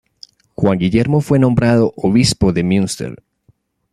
Juan Guillermo fue nombrado obispo de Münster.